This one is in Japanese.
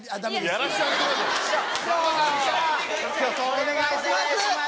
お願いします